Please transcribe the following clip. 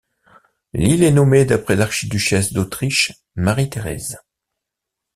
L'île est nommée d'après l'archiduchesse d'Autriche Marie-Thérèse.